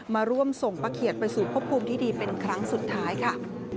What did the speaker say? มาร่วมส่งป้าเขียดไปสู่พบภูมิที่ดีเป็นครั้งสุดท้ายค่ะ